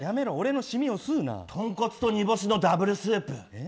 豚骨と煮干しのダブルスープ。